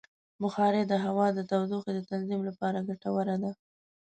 بخاري د هوا د تودوخې د تنظیم لپاره ګټوره ده.